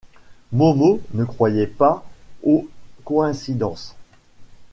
Momo ne croyait pas aux coïncidences.